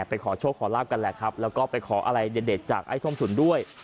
ขอโชคขอลาบกันแหละครับแล้วก็ไปขออะไรเด็ดจากไอ้ส้มฉุนด้วย